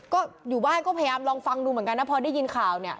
ก็อยู่บ้านก็พยายามลองฟังดูเหมือนกันนะพอได้ยินข่าวเนี่ย